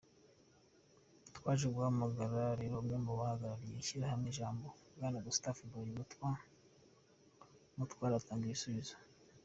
Twaje guhamagara rero umwe mu bahagarariye ishyirahamwe Jambo, Bwana Gustave Mbonyumutwa Mutware, atanga ibisubizo.